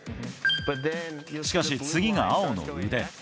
しかし、次が青の腕。